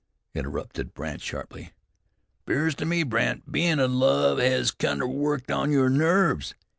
interrupted Brandt sharply. "'Pears to me, Brandt, bein' in love hes kinder worked on your nerves.